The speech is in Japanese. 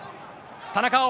田中碧。